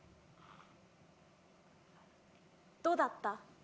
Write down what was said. どうだった？